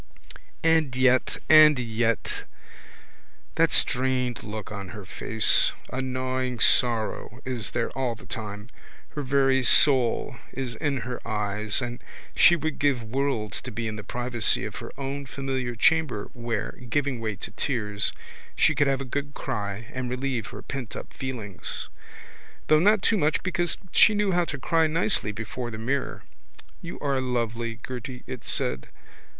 And yet and yet! That strained look on her face! A gnawing sorrow is there all the time. Her very soul is in her eyes and she would give worlds to be in the privacy of her own familiar chamber where, giving way to tears, she could have a good cry and relieve her pentup feelings though not too much because she knew how to cry nicely before the mirror. You are lovely, Gerty, it said.